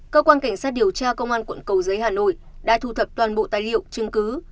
cơ quan cảnh sát điều tra công an quận cầu giấy hà nội đã thu thập toàn bộ tài liệu chứng cứ